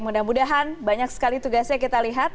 mudah mudahan banyak sekali tugasnya kita lihat